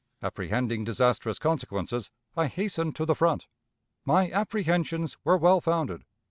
Apprehending disastrous consequences, I hastened to the front. My apprehensions were well founded.